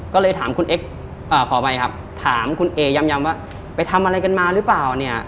ก็เลยถามคุณเอ็กซ์ขออภัยครับถามคุณเอย้ำว่าไปทำอะไรกันมาหรือเปล่าเนี่ย